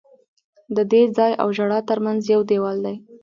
د دې ځای او ژړا ترمنځ یو دیوال دی.